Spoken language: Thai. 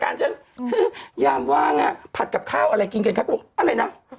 เอาจริงพี่อ้ามเป็นสายมูลตัวจริงเลยนะ